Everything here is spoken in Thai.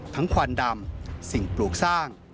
ควันดำสิ่งปลูกสร้าง